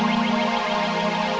tidak apa apa ma